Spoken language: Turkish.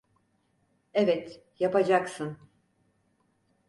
Evet, yapacaksın.